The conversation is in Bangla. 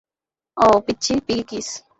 অও, পিচ্চি পিগি কিস।